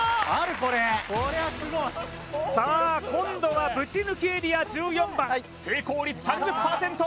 これはすごいさあ今度はぶち抜きエリア１４番成功率３０％